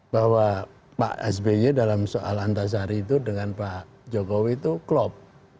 bahwa pak sby dalam soal antasari itu dengan pak jokowi itu klop